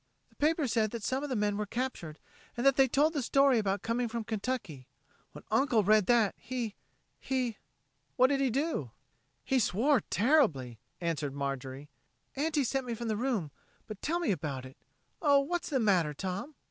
"The paper said that some of the men were captured, and that they told the story about coming from Kentucky. When Uncle read that, he ... he...." "What did he do?" "He swore terribly," answered Marjorie. "Aunty sent me from the room. But tell me about it. Oh, what's the matter, Tom?"